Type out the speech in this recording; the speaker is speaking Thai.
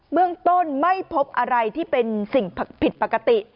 เมืองต้นไม่พบอะไรที่เป็นสิ่งผิดปกติ